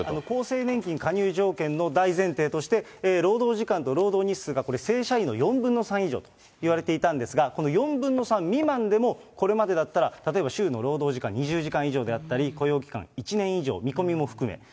厚生年金加入条件の大前提として、労働時間と労働日数がこれ、正社員の４分の３以上といわれていたんですが、この４分の３未満でもこれまでだったら例えば週の労働時間２０時間以上であったり、雇用期間１年以上見込みも含め。